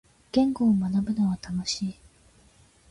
言語を学ぶのは楽しい。